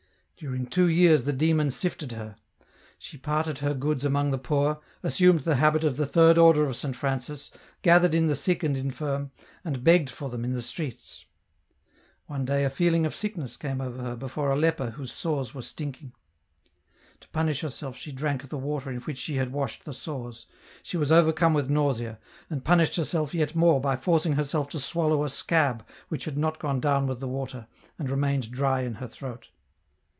During two years the demon sifted her. She parted her goods among the poor, assumed the habit of the Third Order of Saint Francis, gathered in the.sick and infirm, and begged for them in the streets. One day a feeling of sickness came over her before a lepei whose sores were stinking. To punish herself she drank the water in which she had washed the sores : she wa* I 84 EN ROUTE overcome with nausea ; and punished herself yet more by forcing herself to swallow a scab which had not gone down with the water and remained drv in her throat.